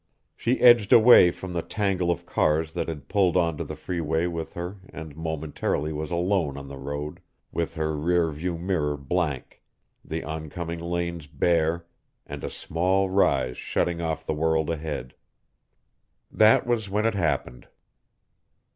She edged away from the tangle of cars that had pulled onto the freeway with her and momentarily was alone on the road, with her rear view mirror blank, the oncoming lanes bare, and a small rise shutting off the world ahead. That was when it happened.